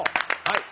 はい。